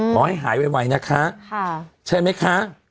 หมอให้หายไวนะคะใช่มั้ยคะ